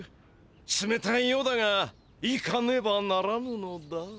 つめたいようだが行かねばならぬのだ。